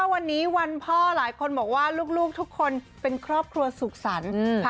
วันนี้วันพ่อหลายคนบอกว่าลูกทุกคนเป็นครอบครัวสุขสรรค์